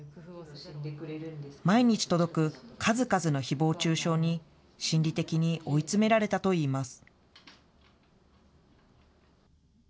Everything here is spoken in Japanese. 毎日届く数々のひぼう中傷に、心理的に追い詰められたといいます。